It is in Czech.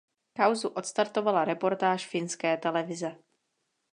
Kauzu odstartovala reportáž finské televize.